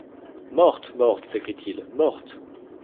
Morte! morte !... s’écrie-t-il, morte !...